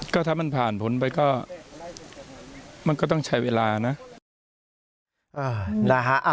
ก็ถ้ามันผ่านผลไปก็มันก็ต้องใช้เวลานะ